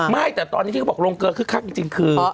ไม่แต่ตอนนี้ที่เขาบอกโรงเกอร์ขึ้นค่างจริงคือ